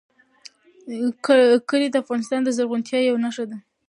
کلي د افغانستان د زرغونتیا یوه نښه ده.